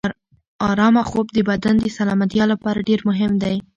ارامه خوب د بدن د سلامتیا لپاره ډېر مهم دی.